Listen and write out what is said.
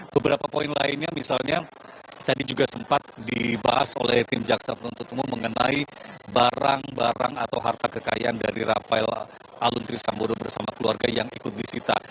beberapa poin lainnya misalnya tadi juga sempat dibahas oleh tim jaksa penuntut umum mengenai barang barang atau harta kekayaan dari rafael aluntri sambodo bersama keluarga yang ikut disita